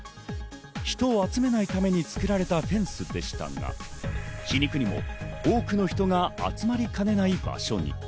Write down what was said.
人を集めないために作られたフェンスでしたが、皮肉にも多くの人が集まりかねない場所に。